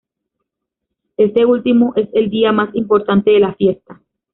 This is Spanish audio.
Este último es el día más importante de la fiesta.